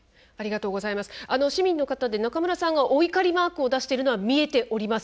市民の方で中村さんがお怒りマークを出しているのは見えております。